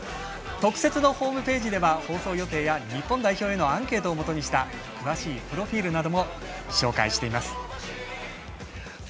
特設のホームページでは放送予定や日本代表へのアンケートをもとにした詳しいプロフィールなども紹介しています。